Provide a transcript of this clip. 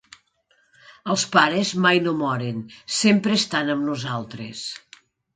Els pares mai no moren, sempre estan amb nosaltres.